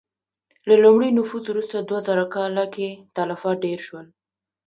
له لومړي نفوذ وروسته دوه زره کاله کې تلفات ډېر شول.